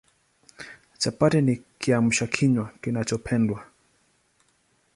Chapati ni Kiamsha kinywa kinachopendwa